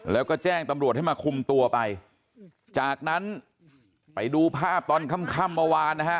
แล้วก็แจ้งตำรวจให้มาคุมตัวไปจากนั้นไปดูภาพตอนค่ำค่ำเมื่อวานนะฮะ